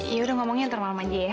yaudah ngomongnya nanti malam aja ya